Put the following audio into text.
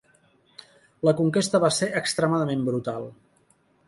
La conquesta va ser extremadament brutal.